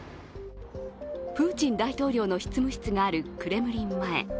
プーチン大統領の執務室があるクレムリン前。